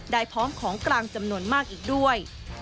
พร้อมของกลางจำนวนมากอีกด้วย